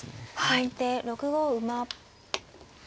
先手６五馬。